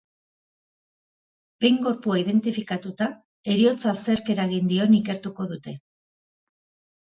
Behin gorpua identifikatuta, heriotza zerk eragin dion ikertuko dute.